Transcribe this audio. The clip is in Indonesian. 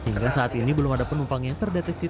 hingga saat ini belum ada penumpang yang terdeteksi